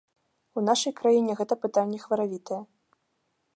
У нашай краіне гэта пытанне хваравітае.